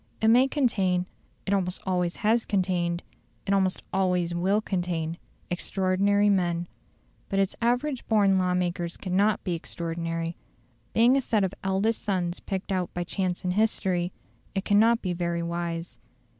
It may contain it almost always has contained, it almost always will contain extraordinary men. But its average born law makers cannot be extraordinary. Being a set of eldest sons picked out by chance and history, it cannot be very wise.